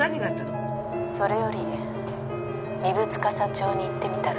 それより壬生司町に行ってみたら？